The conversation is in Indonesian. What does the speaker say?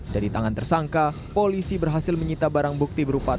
dari tangan tersangka polisi berhasil menyita barang bukti berupa